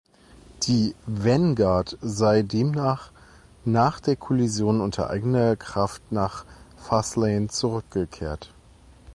Die "Vanguard" sei demnach nach der Kollision unter eigener Kraft nach Faslane zurückgekehrt.